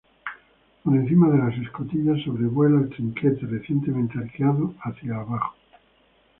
Por encima de las escotillas, sobrevuela el trinquete, recientemente arqueado hacia abajo.